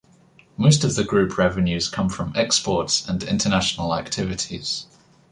Most of the Group revenues come from exports and international activities.